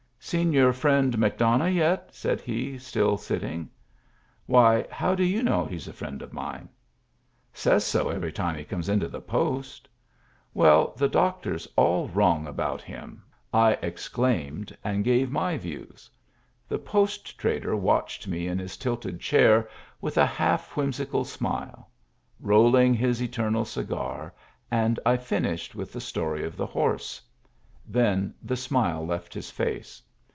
" Seen your friend McDonough yet ?" said he, stiU sitting. "Why, how do you know he's a friend of miner Says so every time he comes into the Post" " Well, the doctor's all wrong about him 1 " I Digitized by VjOOQIC THE GIFT HORSE 177 exclaimed, and gave my views. The post trader watched me in his tilted chair, with a half whim sical smile, rolling his eternal cigar, and I finished with the story of the horse. Then the smile left his face.